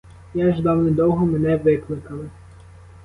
Я ждав недовго, мене викликали.